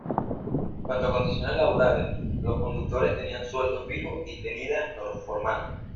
En cuanto a condiciones laborales, los conductores tenían sueldo fijo y tenida formal.